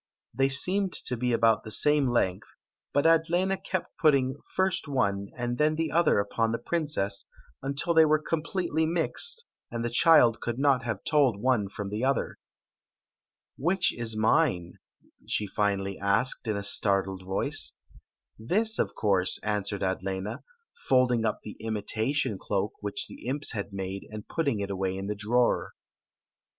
They seemed to be about the same length, but Adlena kept putting first one and then the other upon the princess, until they were completely mixed, and the child could not have told one from the other. " Which is mine ?" she finally asked, in a startled voice. This, of course," answered Adlena, folding up the imitatiofi cloak which the imps had made, and putting it away in the drawer. Story of the Magic Cloak .